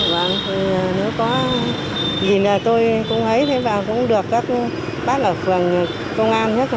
và nếu có gì tôi cũng hấy cũng được các bác ở phòng công an nhất